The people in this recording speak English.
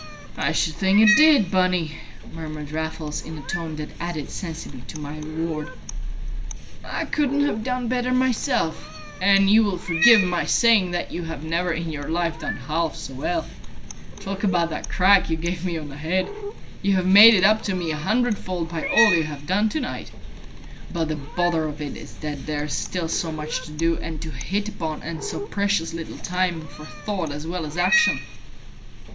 "I should think it did, Bunny," murmured Raffles, in a tone that added sensibly to my reward. "I couldn't have done better myself, and you will forgive my saying that you have never in your life done half so well. Talk about that crack you gave me on the head! You have made it up to me a hundredfold by all you have done to night. But the bother of it is that there's still so much to do, and to hit upon, and so precious little time for thought as well as action."